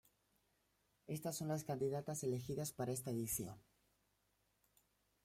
Estas son las candidatas elegidas para esta edición.